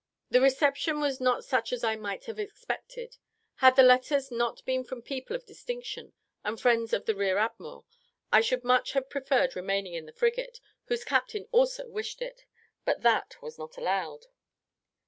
The reception was not such as I might have expected: had the letters not been from people of distinction, and friends of the rear admiral, I should much have preferred remaining in the frigate, whose captain also wished it, but that was not allowed.